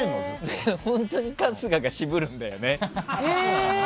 本当に春日が渋るんだよね。